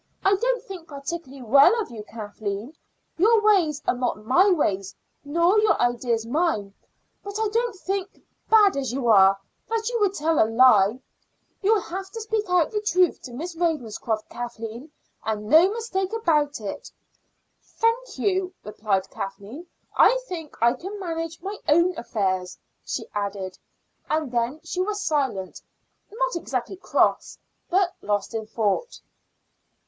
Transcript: I don't think particularly well of you, Kathleen; your ways are not my ways, nor your ideas mine; but I don't think, bad as you are, that you would tell a lie. You will have to speak out the truth to Miss Ravenscroft, Kathleen, and no mistake about it." "Thank you," replied Kathleen. "I think I can manage my own affairs," she added, and then she was silent, not exactly cross, but lost in thought.